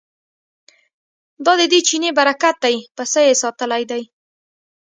دا ددې چیني برکت دی پسه یې ساتلی دی.